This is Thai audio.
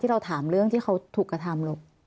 เราถามเรื่องที่เขาถูกกระทำลูก